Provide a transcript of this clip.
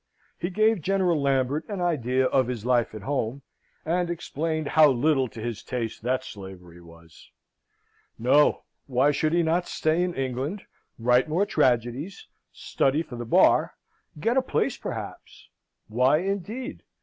He gave General Lambert an idea of his life at home, and explained how little to his taste that slavery was. No. Why should he not stay in England, write more tragedies, study for the bar, get a place, perhaps? Why, indeed?